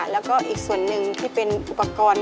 แล้วก็อีกส่วนหนึ่งที่เป็นอุปกรณ์